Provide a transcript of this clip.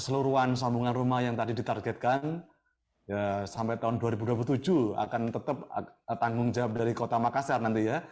seluruhan sambungan rumah yang tadi ditargetkan sampai tahun dua ribu dua puluh tujuh akan tetap tanggung jawab dari kota makassar nanti ya